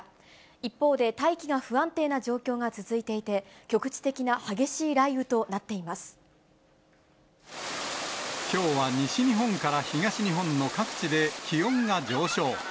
一方で、大気が不安定な状況が続いていて、局地的な激しい雷雨となっていまきょうは西日本から東日本の各地で気温が上昇。